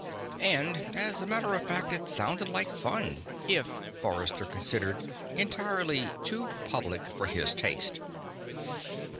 And, as a matter of fact, it sounded like fun if, Forrester considered, entirely too public for his taste.